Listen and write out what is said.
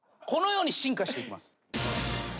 このように進化していきます。